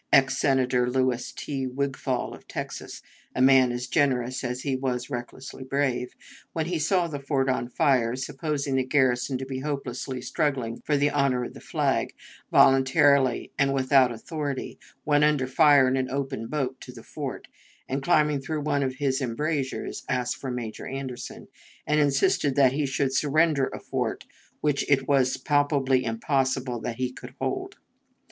Ex Senator Louis T. Wigfall, of Texas a man as generous as he was recklessly brave when he saw the fort on fire, supposing the garrison to be hopelessly struggling for the honor of its flag, voluntarily and without authority, went under fire in an open boat to the fort, and climbing through one of its embrasures asked for Major Anderson, and insisted that he should surrender a fort which it was palpably impossible that he could hold.